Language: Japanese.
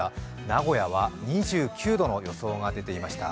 名古屋は２９度の予想が出ていました。